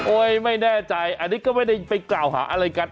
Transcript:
ไม่แน่ใจอันนี้ก็ไม่ได้ไปกล่าวหาอะไรกัน